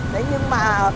đấy nhưng mà không